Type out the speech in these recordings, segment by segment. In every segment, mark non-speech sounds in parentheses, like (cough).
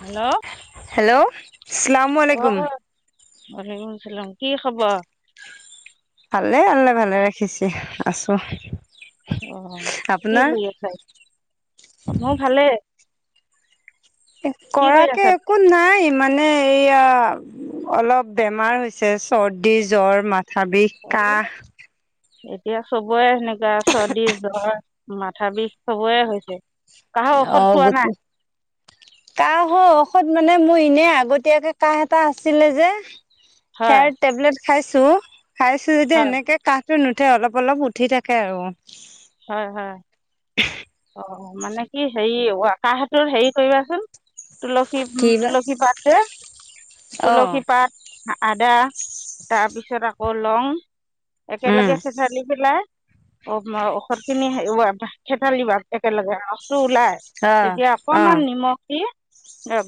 Hello? Hello শ্লামালেকুম। আলেকুম চালাম, কি খবৰ? ভালে আল্লাই ভালে ৰাখিছে, আছোঁ। অ', কি কৰি আছা? (unintelligible) ভালে। কৰাকে একো নাই মানে এইয়া অলপ বেমাৰ হৈছে চৰ্দি, জ্বৰ, মাথা বিষ। কাহ এতিয়া চবৰে সেনেকুৱা চৰ্দি জ্বৰ। মাথা বিষ চবৰে হৈছে। কাহৰ ঔষধ অ', গ খোৱা নাই কাহ হৈ ঔষধ মানে মোৰ এনেই আগতীয়াকে কাহ এটা আছিলে যে। হয় সেইয়াৰ টেবলেট খাইছোঁ খাইছোঁ যদিও হয় সেনেকে কাঁহ টো নুঠে অলপ অলপ উঠি থাকে আৰু। হয়, হয়। অ', মানে কি হেৰি, কাহতোৰ হেৰি কৰিবাচোন। তুলসী উম, কি বা তুলসী পাত যে অ তুলসী পাত। আদা তাৰপিছত আকৌ লং উম একেলগে ঠেথালি পেলাই। অ', ঔষধখিনি ঠেথালিবা একেলগে আৰু। ৰসটো ওলাই অ এতিয়া অ অকণমান নিমখ দি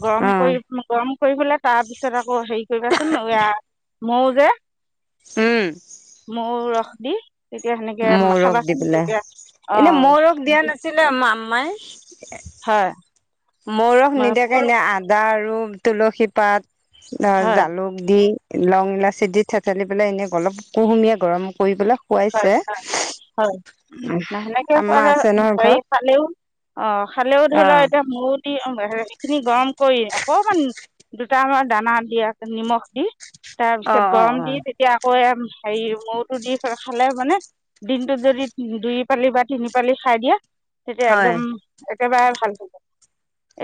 গৰম অ কৰি গৰম কৰি পেলাই, তাৰ পিছত আকৌ হেৰি কৰিবাচোন এয়া মৌ যে। উম। মৌ ৰস দি তেতিয়া সেনেকে মৌৰস দি খাবাচোন, তেতিয়া অ' মামাই হয়। মৌ ৰস হয় নিদিয়াকে এনে আদা আৰু তুলসী পাত হয় জালুক দি লং ইলাচি দি থেচালি পেলাই এনে অলপ কুহুমীয়া গৰম কৰি পেলাই হয় খোৱাইছে, হয় না সেনেকে আমাৰ খোৱা আছে নহয় হেৰি ঘৰত। খালেও অ', খালেও ধৰি অ লও এতিয়া মৌ দি সেইখিনি গৰম কৰি অকমান দুটামান দানা নিমখ দি অ তাৰপিছত অ গৰম অ দি তেতিয়া আকৌ হেৰি মৌতো দি খালে মানে, দিনটোত যদি দুই পালি বা তিনি পালি খাই দিয়া। তেতিয়া একদম হয় একেবাৰে ভাল হ'ব,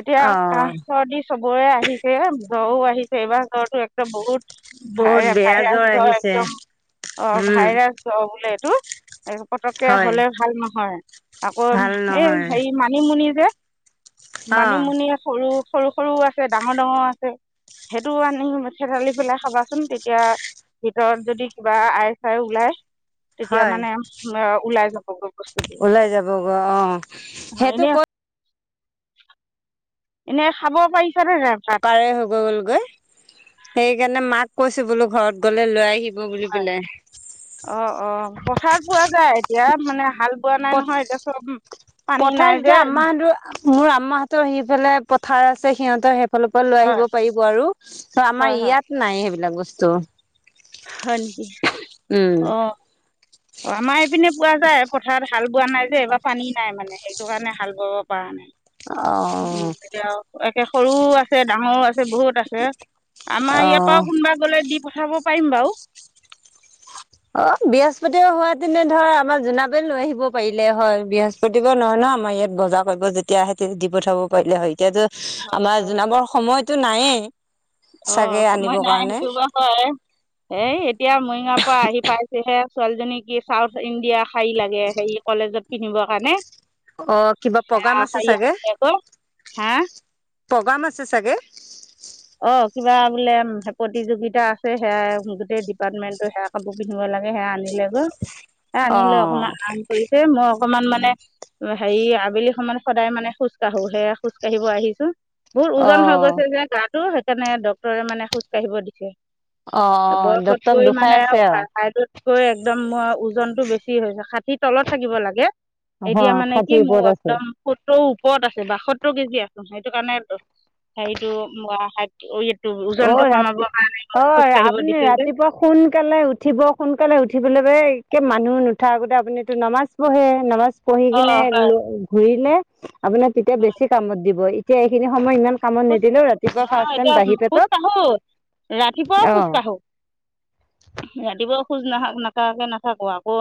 এতিয়া অ কাহ চৰ্দি চবৰে আহিছে, জ্বৰো আহিছে এইবাৰ জ্বৰটো একদম বহুত বহুত বেয়া ভাই-ভাইৰাছ জ্বৰ হয়, আহিছে একদম অ', উম ভাইৰাছ অ' বোলে এইটো পতককে হয় হলে ভাল নহয় আকৌ ভাল নহয় এই মান মানি মুনি যে অ মানি মুনিয়ে সৰু, সৰু, সৰু আছে ডাঙৰ, ডাঙৰ আছে। সেইটো আনি মঠেৰালি পেলাই খাবাচোন তেতিয়া ভিতৰত যদি কিবা আই চাই ওলায় তেতিয়া হয় মানে ওলাই যাবগৈ। বস্তুটো ওলাই যাব গ অ' অ সেইটো এনে ক'ত এনেই খাব পাৰিছানে নাই ভাত পাৰে হ'ব গ'ল গৈ সেইকাৰণে মাক কৈছো হলো ঘৰত গ'লে লৈ আহিব বগুলি পেলাই। অ'অ' পথাৰত পোৱা যায় এতিয়া মানে হাল বোৱা নাই নহয় এতিয়া চব পানী পথাৰ নাই এতিয়া যে। আম্মাহঁতৰ মোৰ আম্মাহঁতৰ সিফালে পথাৰ আছে সিহঁতৰ ফালৰ পৰা লৈ আহিব হয় পাৰিব আৰু ত হয় আমাৰ হয় ইয়াত নাই সেইবিলাক বস্তু। হয় নেকি উম অ' অ' আমাৰ এইপিনে পোৱা যায় পথাৰত হাল বোৱা নাই যে এইবাৰ পানী নাই মানে সেইটো কাৰণে হাল বোৱাব পাৰ অ এতিয়া একে সৰুও আছে ডাঙৰ আছে আছে বহুত আছে আমাৰ অ ইয়াৰ পৰাও কোনোবা গলে দি পঠাব পাৰিম বাৰু। অ' বৃহস্পতি হোৱ তেনে ধৰ আমাৰ জোনাব লৈ আহিব পাৰিলে হয়। বৃহস্পতি দিব নহয় ন আমাৰ ইয়াত বজাৰ কৰিব যেতিয়া আহে তেতি দি পঠাব পাৰিলে হয় এতিয়াতো আমাৰ জোনাবৰ সময়তো নায়েই অঁ চাগে সময় আনিব নাই কাৰণে। সেইটো বাৰু হয়। এই এতিয়া মৰিগাওঁ পৰা আহি পাইছেহে ছোৱালীজনী কি চাউথ ইণ্ডিয়া শাৰী লাগে হেৰি কলেজত। পিন্ধিবৰ কাৰণে। অ' কিবা আহ প্ৰগ্ৰাম আছে শাৰী চাগে, আনিলে আকৌ হা প্ৰগ্ৰাম আছে চাগে? অ' কিবা বোলে প্ৰতিযোগিতা আছে সেয়াই গোটেই ডিপাৰ্টমেণ্টৰ সেয়া কাপোৰ পিন্ধিব লাগে সেয়া আনিলে গৈ সে অ আনিলে অকমান আৰাম কৰিছে মই অকমান মানে হেৰি আবেলি সমান সদায় মানে খোজ কাঢ়ো সেয়া খোজ কাঢ়িব আহিছো। বহুত অ ওজন হৈ গৈছে যে গাটো সেইকাৰণে ডক্তৰে মানে খোজ কাঢ়িব দিছে। অ ডক্তৰক বয়সতকৈ দুখাই মানে আছে আৰু ঠাইটো গৈ একদম মোৰ ওজনতটো বেছি হৈছে ষাঠি তলত থাকিব লাগে। এতিয়া হঁ মানে কি ষাঠিৰ মোৰ ওপৰত আছে একদম সত্তৰ ওপৰত আছে বাসত্তৰ কেজি আছো সেটো কাৰণেতো হেৰিটো (unintelligible) অ' ওজনটো ৰাতি কমাবৰ কাৰণে মোক খোজ অ' কাঢ়িব আপুনি দিছিল যে। ৰাতিপুৱা সোনকালে উঠিব সোনকালে উঠিবলৈ বে একে মানুহ নুঠা আগতে আপুনিতো নামাজ পঢ়ে নামাজ পঢ়ি অ কিনে হয় ঘূৰিলে আপোনাৰ তেতিয়া বেছি কামত দিব এতিয়া এইখিনি সময় ইমান কামত খোজ নিদিলেও ৰাতিপুৱা কাঢ়ো ফাৰ্ষ্ট টাইম এতিয়া বাহিৰত খোজ কাৰো ৰাতিপুৱাও খোজ কাৰো। ৰাতিপুৱা খোজ নাখাক নাকাৰাকে নাথাকো আকৌ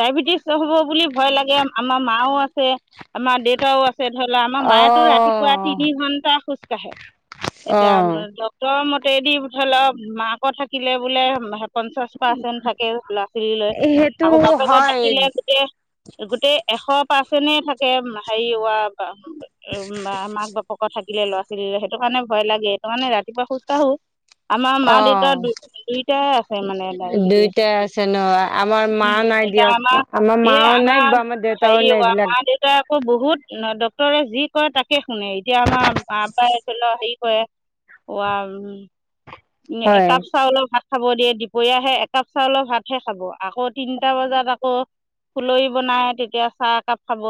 ডায়েবেটিছ হব ভয় লাগে আমাৰ মাও আছে আমাৰ দেউতা ও আছে। ধৰি লও আমাৰ মায়েতো ৰাতিপুৱা অ' তিনি ঘন্টা খোজ কাঢ়ে এতিয়া অ' ধৰক তৰ মতেদি ধৰি লওক মাকৰ থাকিলে বোলে পঞ্চাশ পাৰ্চেণ্ট থাকে ল'ৰা ছোৱালী লৈ সেইটো আকৌ বাপেক হয় থাকিলে গোটেই গোটেই এশ পাৰ্চেণ্ট থাকে হেৰি ওৱা বা, বা মাক বাপক থাকিলে লোৱা। ছিল সেইটো কাৰণে ভয় লাগে এইেইটো কাৰানে ৰাতিপুৱা খোজকাঢ়ো। আমাৰ মা-দেউতাৰ অ' দু-দুইটাই আছে মানে ডায়বেটিছ দুইটাই আছে ন আমাৰ মা উম, নাই এ দিয়ক আমাৰ এই মাও নাই আমাৰ বা দেউতাও হেৰি নাই হোৱা এইবিলাক মাদেৱ তে আকৌ বহুত ডক্তৰে যি কয় তাকে শুনে এতিয়া আমা মাপ একে'ল হেৰি কৰে, ওৱাম হয় একাপ চাউল ভাত খাব দিয়ে দুপৰীয়াহে একাপ চাউলৰ ভাতহে খাব, আকৌ তিনিটা বজাত আক ফুলই বনাই তেতিয়া চাহ একাপ খাব।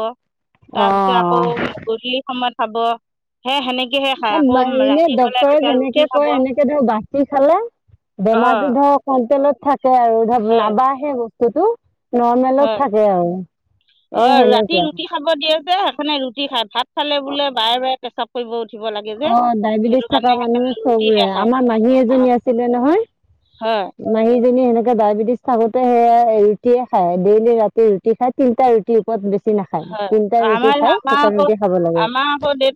তাৰপিছত আকৌ অ' গধূলি সময়ত খাব সে সেনেক কি হে খা আকৌ ৰাতি হ'লে তেতিয়া ৰুটি খাব। সেটো বাচি খালে বেমাৰো অঁ ধৰ কণ্ট্ৰলত থাকে আৰু ধৰ হয় নাবাহে ব স্তুো হয় নৰ্মেলত থাকে আৰু অ এ ৰাতি সেনেকুৱা। ৰুটি খাব দিয়ে যে সেইখনে ৰুটি খাই ভাত খালে বোলে বাৰে বাৰে পেছাপ কৰিব উঠিব লাগে যে অঁ ডায়েবেটিছ সেইটো থকা কাৰণে মানুহ সেকানে চবৰে ৰুটিহে খায়। আমাৰ মাহী অ। এজনী আছিলে নহয় হ মাহীজনী সেনেকে ডায়েবেটিছ থাকোতে সেয়া ৰুটিয়ে খাই ডেইলি ৰাতি ৰুটি খাই তিনিটা ৰুট টিউবত বেছি নাখায় হয় তিনিটাই ৰুটি আমাৰ খাই শুকান ৰুটি খাব লাগে।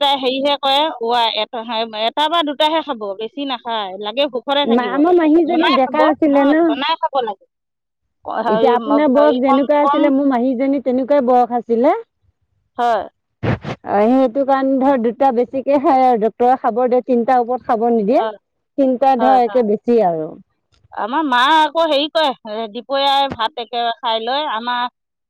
তে সেইহে হোৱা এ (unintelligible) এটা বা দুটাহে খাব বেছি নাখায় লাগে ভুক ভুকতে মা থাকিব আমাৰ মাহীজনী ঘনাই খাব ডেকা আছিলে নহয়, ন ঘনাই খাব লাগ এতিয়া আপোনাৰ বয়স কম যেনেকুৱা কম আছিলে মোৰ মাহীজনী তেনেকুৱাই বয়স আছিলে। হয়। অ সেইটো কাৰণে ধৰ দুটা বেছিকে খাই আৰু ডক্তৰে খাবৰ দিয়ে তিনটা ওপৰত খাব নিদিয়ে, হয় তিনিটা হয় ধৰ হয় একে বেছি আৰু। আমাৰ মা আকৌ হেৰি কয় দুপৰীয়াই ভাত একে খাই লৈ আমা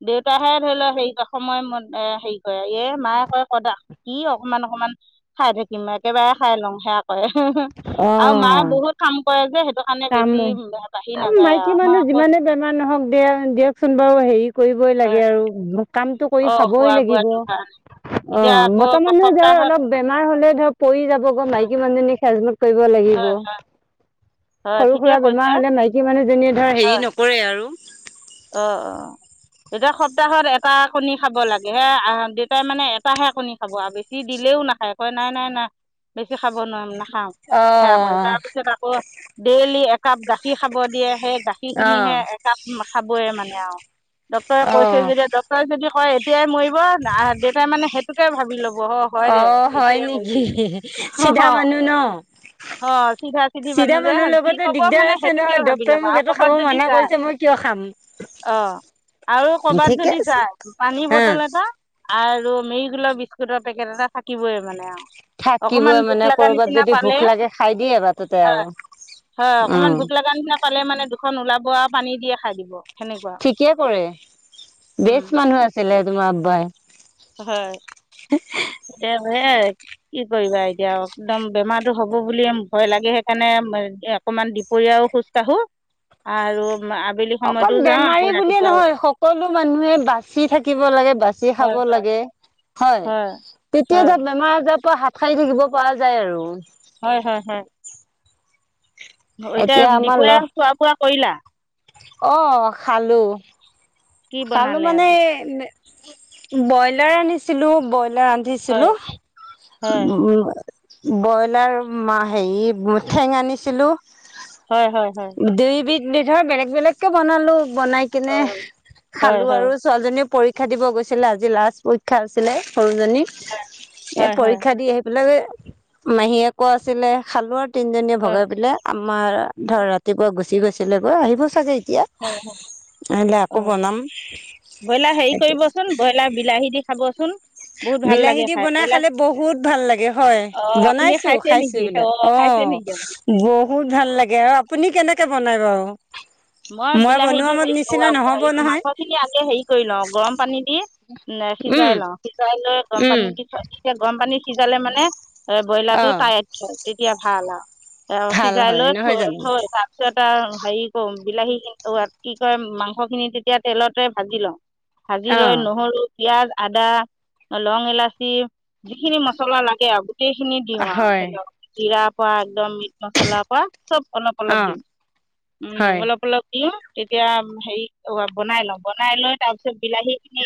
দেউতাহে ধৰি ল হেৰি কয় এ সময় এ হেৰি কয় এ মায়ে কয় কদাক কি অকমান অকমান খাই থাকিম একেবাৰে খাই লওঁ সেয়াক কৰে আৰু মায়ে অঁ বহুত কাম কৰে যে সেইটো কাৰণে কাম বেছ তিম বাঢ়ি নাযায় মাইকী আমা মানুহ আক যিমানে বেমাৰ নহওক দিয়া দিয়কচোন বাৰু হেৰি কৰিবই লাগে আৰু ব্ৰ কামটো কৰি অঁ খাবই খোৱা লাগিব। বোৱাটো ভাল অ এতিয়া আকৌ মতা মানুহ যাই সপ্তাহত অলপ বেমাৰ হ'লে ধৰ পৰি যাব গ হয় মাইকী মানুহজনী হেজ মত কৰিব লাগিব হয় হয় সৰু ঠিকে সুৰা কৈছে বেমাৰ হ'লে মাইকী মানুহজনীয়ে ধ হেৰি নক কৰে আৰু অ অ। দুটা সপ্তাহত এটা কণী খাব লাগে সেয়া আহ দেউতাই মানে এটাহে কণী খাব আৰু বেছি দিলেও নাখায় কয় নাই নাই নাই বেছি খাব নোৱাও, নাখাওঁ। সেয়া কয় তাৰ অঁ পিছত আকৌ ডেইলি একাপ গাখীৰ খাব দিয়ে সেই গাখীৰ অঁ খিনিহে এ কাপ খাবয়ে মানে আও ডক্টৰে কৈছে অঁ যেতিয়া ডক্টৰে যদি কয় এতিয়া মই বই আ দেউতাই মানে সেইটোকে ভাবি ল'ব অ হয় দে অঁ হয় এইটোয়ে নেকি কৈছিল, হ চিধা হ। মানুহ ন অ চিধা চিধি চিধা মানুহ যে মানুহৰ কি লগতো ক'ব দিগদাৰ মানে আছে সেইটোকে নহয় ভাবি ডক্তৰে ল'বা মোক আৰু এইটো খাব কৰ'বাত যদি মানা যাই কৰিছে মই কিয় খাম। অ আৰু কৰবাত ঠিকে যদি আছে। যায় পানীৰ বটল এটা আৰু মেৰি গোলৰ বিস্কুটৰ পেকেট এটা থাকিবই মানে আও। থাকিবই মানে কৰ'বাত যদি ভোক লাগে খাই দিয়ে বাটতে হয় আৰু। হয় অকমান উম। ভোক লগা নিচিনা পালে মানে দুখন ওলাব আ পানী দিয়ে খাই দি ঠিকে কৰে, উম বেচ মানুহ আছিলে তোমাৰ আব্বাই। হয় এতে সেইয়াই। কি কৰিবা এতিয়া একদম বেমাৰো বুল ভয় লাগে সেইকাৰণে, পৰিয়াও খোজ কাঢ়ো আৰু আবেলি, সময়তো অকল যাওঁ আকৌ বেমাৰী বুলিয়ে ৰাতিপুৱাও নহয় যাওঁ। সকলো মানুহে বাচি থাকিব লাগে বাচি খাব হয় লাগে। হয় তেতিয়াই হয় ধৰ বেমাৰ আজাৰৰ পৰা হাত সাৰি থাকিব পৰা যায় আৰু হয় হয় হয়। এতিয়া দুপৰীয়া খোৱা বোৱা কৰিলা। অঁ খালোঁ। কি খালো বনালে মানে আজি? ব্ৰইলাৰ আনিছিলো ব্ৰইলাৰ আলু। হয়, উঠিছিলো হয়, উ। ব্ৰইলাৰ হেৰি ঠেঙ আনিছিলো। হয় হয় হয়। দুইবিধ ধৰ বেলেগ বেলেগ কে বনালো বনাই অ কিনে হয়, খালো হয়, আৰু ছোৱালজনীয়েও পৰীক্ষা দিব গৈছিলে আজি লাষ্ট পৰীক্ষা আছিলে সৰুজনী। হয়, এ হয়, পৰীক্ষা দি আহি পেলাকে মাহীয়েকো আছিলে খালোৱাৰ। তিনিজনীয়ে হয়, ভগাই পেলাই আমাৰ ধৰ ৰাতিপুৱা গুচি গৈছিলেগৈ আহিব চাগে এতিয়া। হয় হয় আহিলে অ আকৌ বনাম ব্ৰইলাৰ হেৰি কৰিব। চোন ব্ৰইলাৰ বিলাহী দি খাব চোন। বিলাহী দি বনাই খালে বহুত ভাল লাগে হয় অ', আপুনি বনাইছো খাইছে খাইছো। নেকি? বস্তুবিলাক অ খাইছে নেকি আপুনি? বহুত ভাল লাগে আৰু আপুনি কেনেকে বনায় বাৰু। মই বনোৱা বিলাহীটো মত হেৰি কৰ নিচিনা নহব হ নহয় মাংস খিনি আগে হেৰি কৰি লওঁ গৰম পানী দি। ন সিজাই উম লাও সিজাই লৈ গৰম উম পানী দি তেতিয়া গৰম পানীত সিজালে মানে এ ব্ৰইলাৰ অ টো টাইত হয়। তেতিয়া ভাল আৰু অ ভাল সিজাই হয় লৈ নহয় জানো থৈ থাক তাৰ পিছত আৰু হেৰি কৰো বিলাহী কি কয় মাংস খিনি তেতিয়া তেলতে ভাজি লওঁ। ভাজি অ লৈ নহৰু। পিয়াজ আদা লং ইলাচি যিখিনি মছলা লাগে আৰু গোটেইখিনি দিওঁ আৰু হয় ধৰি লওক জিৰা পৰা একদম, মচলা পা চব অলপ অলপ অ দিম উম হয় অলপ, অলপ দিওঁ তেতিয়া হে বনাই লওঁ বনাই লৈ তাৰ পিছত বিলাহী খিনি,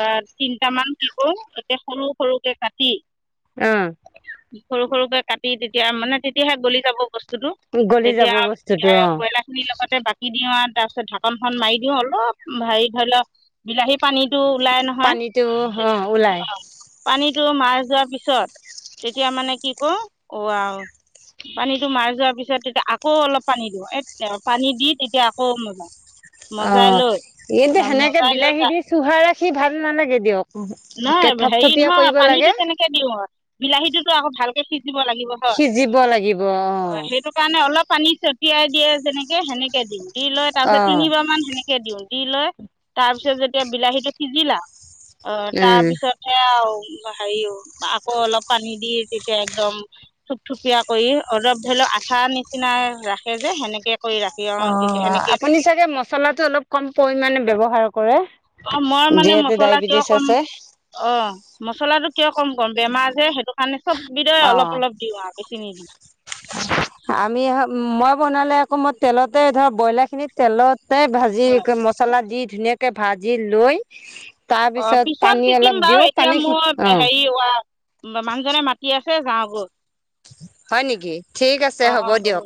অ তিনটামান কি কৰো এয়া সৰু সৰুকে কাটি, অ, সৰু সৰুকে কাটি তেতিয়া মানে তেতিয়াহে গলি যাব বস্তুতটো। গলি তেতিয়া যাব বস্তুটো অ কয়লা, লগতে বাকি দিওঁ আৰু তাৰপিছত ঢাকনখন মাৰি দিওঁ অলপ হেৰি ধৰি লওক, বিলাহী পানীটো ওলাই নহয়। পানীটো অ ওলাই পানীতটো মাৰ যোৱাৰ পিছত তেতিয়া মানে কি কো আৰু পানীতটো মাৰি যোৱাৰ পিছত তেতিয়া আকৌ অলপ পানী দিওঁ এ, পানী দি তেতিয়া আকৌ মজা, অ এইটো সেনেকে মজাই লৈ বিলাহী তা- দি চুহা ৰাখি ভাল নালাগে দিয়ক। তে নহয় হেৰি থপথপিয়া নহয় কৰিব পানীটো লাগে। কেনেকৈ দিওঁ বিলাহীটোতো আকৌ ভালকে সিজিব লাগিব হয় সিজিব লাগিব অ সেইটো, স কাৰণে অলপ পানী ছ চটিয়াই দিয়ে যেনেকে সেনেকে দিম দি লৈ তাৰপিছত অ তিনিবাৰ মান সেনেকে, দিও দি লৈ তাৰ পিছত যেতিয়া বিলাহীটো সিজিলা, অ', তাৰপিছতহে আৰু হেৰি আকৌ অলপ পানী দি তেতিয়া একদম, থুপথুপিয়া কৰি অলপ ধৰি লওক আঠা নিচিনা ৰাখে যে সেনেকে, অ', আপুনি চাগে মচলাটো অলপ কম পৰিমানে ব্যৱহাৰ কৰে। অঁ মই মানে যিহেতু মছলা কিয় ডায়বেটিছ কম আছে। অ', মছলাটো কিয় কম-কম বেমাৰ যে, সেইটো মানে চব বিদায় অলপ অলপ-দিওঁ আৰু বেছি নি দিওঁ। আমি, মই বনালে আকৌ মই তেলতে ধৰ ব্ৰইলাৰ খিনিত তেলত টে ভাজি হয় মচলা দি ধুনীয়াকে ভাজি লৈ তাৰ অ', পিছত পানী শিকিম অলপ বাৰু দিওঁ এতিয়া পানী মোৰ অ', হেৰি মানুহ জনে মাতি আছে, যাওঁ গৈ। হয় নেকি, ঠিক আছে অ হ'ব অ দিয়ক।